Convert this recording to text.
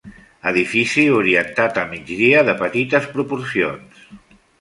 Edifici orientat a migdia de petites proporcions.